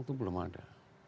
itu belum ada